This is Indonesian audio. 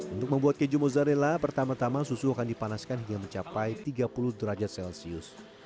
untuk membuat keju mozzarella pertama tama susu akan dipanaskan hingga mencapai tiga puluh derajat celcius